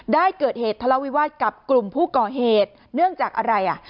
ได้เกิดเหตุทะเลาวิวาสกับกลุ่มผู้ก่อเหตุเนื่องจากอะไรอ่ะ